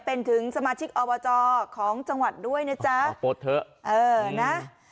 เป็นถึงสมาชิกอบจของจังหวัดด้วยนะจ๊ะปลดเถอะเออนะ